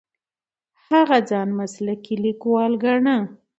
هغه ځان مسلکي لیکواله ګڼله.